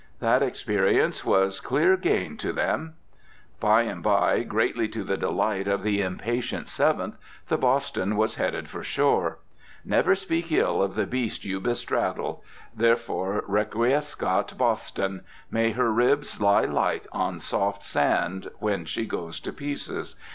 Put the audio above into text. That experience was clear gain to them. By and by, greatly to the delight of the impatient Seventh, the Boston was headed for shore. Never speak ill of the beast you bestraddle! Therefore requiescat Boston! may her ribs lie light on soft sand when she goes to pieces!